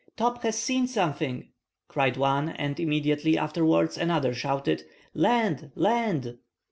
"Top has seen something!" cried one, and immediately afterwards another shouted:— "Land! Land!"